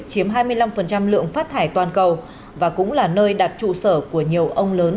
chiếm hai mươi năm lượng phát thải toàn cầu và cũng là nơi đặt trụ sở của nhiều ông lớn